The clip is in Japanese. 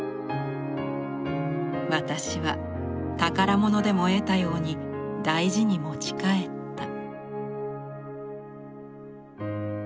「私は宝物でも得たように大事に持ち帰った」。